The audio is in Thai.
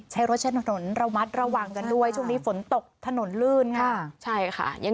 ใช้รถใช้ถนนระมัดระวังกันด้วยช่วงนี้ฝนตกถนนลื่นค่ะใช่ค่ะ